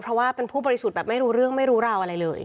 เพราะว่าเป็นผู้บริสุทธิ์แบบไม่รู้เรื่องไม่รู้ราวอะไรเลย